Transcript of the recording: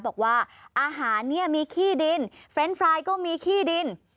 บอกว่าอาหารเนี่ยมีขี้ดินเฟรนด์ไฟล์ก็มีขี้ดิน